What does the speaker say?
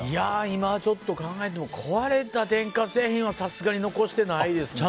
今ちょっと考えたけど壊れた電化製品はさすがに残してないですね。